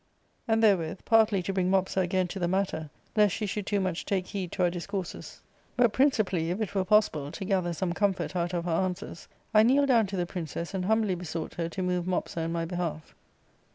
And therewith, partly to bring Mopsa again to the matter, lest she should too much take heed to our dis courses, but principally, if it were possible, to gather some comfort out of her answers, I kneeled down to the princess and humbly besought her to move Mopsa in my behalf, that 134 ARCADIA.